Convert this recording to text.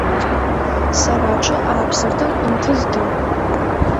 Сара аҽы ааԥсыртын, инҭызгеит.